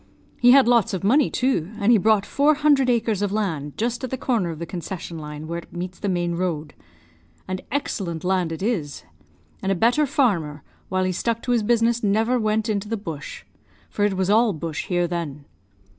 He had lots of money, too, and he bought four hundred acres of land, just at the corner of the concession line, where it meets the main road. And excellent land it is; and a better farmer, while he stuck to his business, never went into the bush, for it was all bush here then.